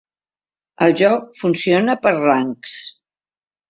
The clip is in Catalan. El joc funciona per rangs.